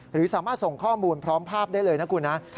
หรือสามารถส่งข้อมูลพร้อมภาพได้เลยนะคุณนะ